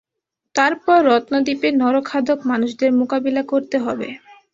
তারপর রত্নদ্বীপে নরখাদক মানুষদের মোকাবিলা করতে হবে।